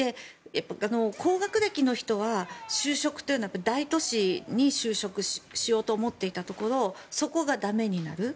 高学歴の人は就職というのは大都市に就職しようと思っていたところそこが駄目になる。